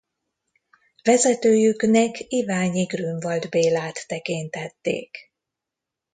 Vezetőjüknek Iványi-Grünwald Bélát tekintették.